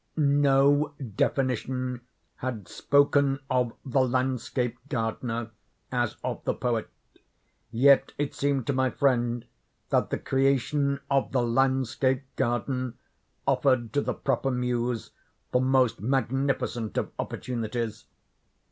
No definition had spoken of the landscape gardener as of the poet; yet it seemed to my friend that the creation of the landscape garden offered to the proper Muse the most magnificent of opportunities.